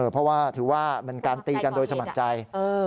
เพราะว่าถือว่าเป็นการตีกันโดยสมัครใจ